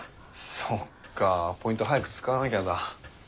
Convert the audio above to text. そっかポイント早く使わなきゃだ。